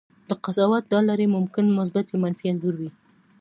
د قضاوت دا لړۍ ممکن مثبت یا منفي انځور وي.